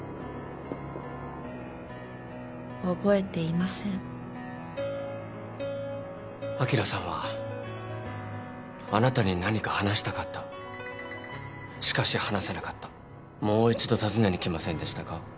覚えていません昭さんはあなたに何か話したかったしかし話せなかったもう一度尋ねに来ませんでしたか？